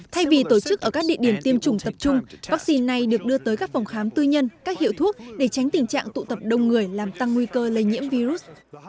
thay vì tổ chức ở các địa điểm tiêm chủng tập trung vaccine này được đưa tới các phòng khám tư nhân các hiệu thuốc để tránh tình trạng tụ tập đông người làm tăng nguy cơ lây nhiễm virus